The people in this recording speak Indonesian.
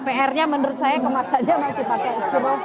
prnya menurut saya kemasannya masih pakai